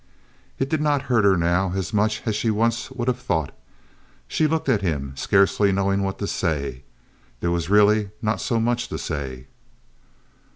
It did not hurt her now as much as she once would have thought. She looked at him, scarcely knowing what to say. There was really not so much to say.